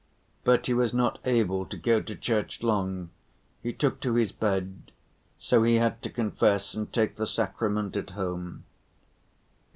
But he was not able to go to church long, he took to his bed, so he had to confess and take the sacrament at home.